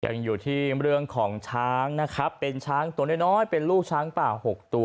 ยังอยู่ที่เรื่องของช้างนะครับเป็นช้างตัวน้อยเป็นลูกช้างป่าหกตัว